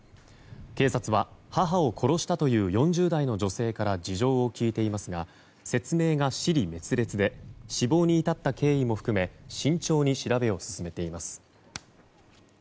警察は、母を殺したという４０代の女性から事情を聴いていますが説明が支離滅裂で死亡に至った経緯も含め慎重に調べを進めています。